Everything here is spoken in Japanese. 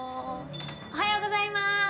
おはようございます！